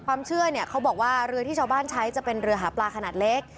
ความเชื่อเนี่ยเขาบอกว่าเรือที่ชาวบ้านใช้จะเป็นเรือหาปลาขนาดเล็ก